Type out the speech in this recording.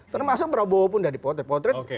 termasuk prabowo pun sudah dipotret potret